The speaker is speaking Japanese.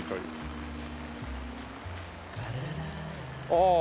ああ！